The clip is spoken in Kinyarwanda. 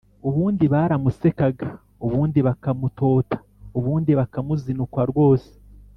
Ubundi baramusekaga, ubundi bakamutota, ubundi bakamuzinukwa rwose